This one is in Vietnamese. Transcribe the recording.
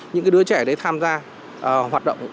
những cái đứa trẻ đấy tham gia hoạt động